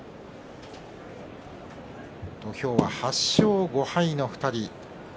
土俵は８勝５敗の２人。